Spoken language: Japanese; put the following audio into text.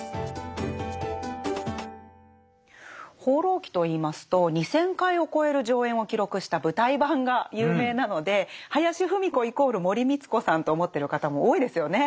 「放浪記」といいますと２０００回を超える上演を記録した舞台版が有名なので林芙美子イコール森光子さんと思ってる方も多いですよね。